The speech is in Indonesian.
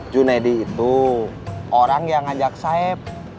junedi itu orang yang ngajak saib